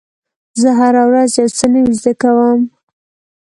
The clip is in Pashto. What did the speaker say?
زه هره ورځ یو څه نوی زده کوم.